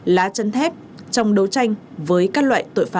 lá chân thép trong đấu tranh với các loại tội phạm